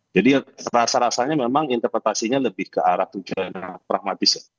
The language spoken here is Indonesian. jadi rasa rasanya memang interpretasinya lebih ke arah tujuan pragmatis